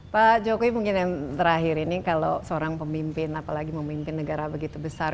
pak jokowi mungkin yang terakhir ini kalau seorang pemimpin apalagi memimpin negara begitu besar